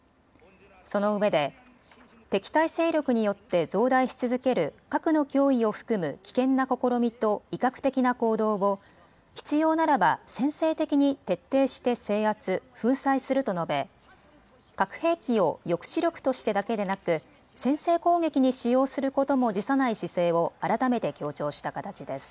そのうえで敵対勢力によって増大し続ける核の脅威を含む危険な試みと威嚇的な行動を必要ならば先制的に徹底して制圧、粉砕すると述べ核兵器を抑止力としてだけでなく先制攻撃に使用することも辞さない姿勢を改めて強調した形です。